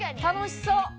楽しそう。